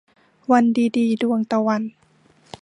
วันดีดี - ดวงตะวัน